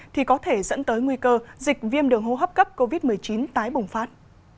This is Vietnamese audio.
thì có thể dẫn tới nguy cơ dịch viêm đường hô hấp cấp covid một mươi chín tái bùng phát